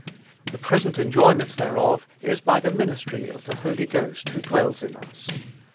The present enjoyment thereof is by the ministry of the Holy Ghost who dwells in us.